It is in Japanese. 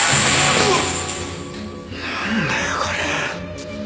うわっ！